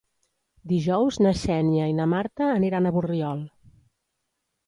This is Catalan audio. Dijous na Xènia i na Marta aniran a Borriol.